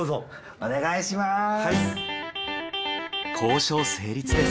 お願いします。